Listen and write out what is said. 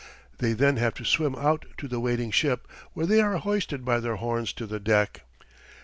They then have to swim out to the waiting ship, where they are hoisted by their horns to the deck.